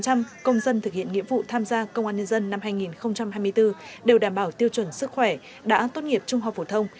một trăm linh công dân thực hiện nghĩa vụ tham gia công an nhân dân năm hai nghìn hai mươi bốn đều đảm bảo tiêu chuẩn sức khỏe đã tốt nghiệp trung học phổ thông